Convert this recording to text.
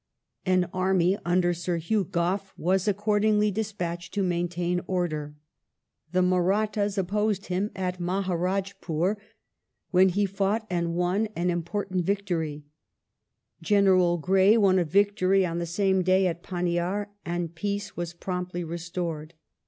An army under Sir Hugh Gough was, accordingly, despatched to maintain order. The Mardthds opposed him at Mahdrajpur, when he fought and won an important victory ; General Grey won a victory on the same day at Pannidr ; and peace was promptly restored.